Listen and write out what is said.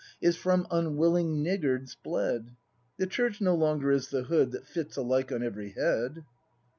Is from unwilling niggards bled; The Church no longer is the hood That fits alike on every head.